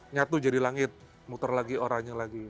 nyatu jadi langit muter lagi oranya lagi